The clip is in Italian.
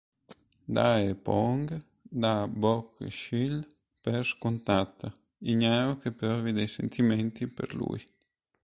Dae-poong dà Bok-shil per scontata, ignaro che provi dei sentimenti per lui.